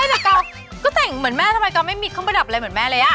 แต่กองก็แต่งเหมือนแม่ทำไมกองไม่มีเครื่องประดับอะไรเหมือนแม่เลยอ่ะ